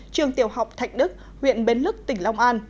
trường tiểu học thạch đức huyện bến lức tỉnh long an